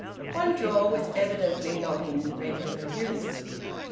One drawer was evidently not in regular use.